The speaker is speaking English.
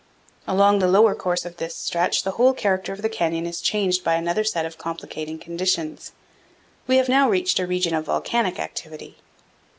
Along the lower course of this stretch the whole character of the canyon is changed by another set of complicating conditions. We have now reached a region of volcanic activity.